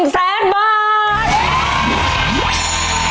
๑แสนบาท